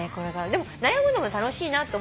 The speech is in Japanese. でも悩むのも楽しいなと思って。